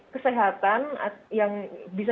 kesehatan yang bisa